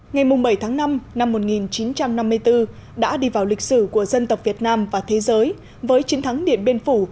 ngày bảy tháng năm năm một nghìn chín trăm năm mươi bốn đã đi vào lịch sử của dân tộc việt nam và thế giới với chiến thắng điện biên phủ